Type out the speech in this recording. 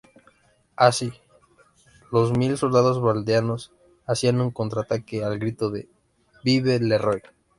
Así, dos mil soldados vandeanos hacían un contraataque al grito de "Vive le Roi!